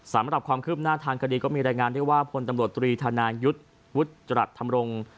สำหรับความคืบหน้าทางคดีก็มีรายงานได้ว่าพลตำรวจตรีธนายุทธ์วุฒิจรัสธรรมรงค์